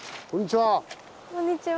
こんにちは。